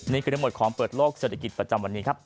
นี่คือทั้งหมดของเปิดโลกเศรษฐกิจประจำวันนี้ครับ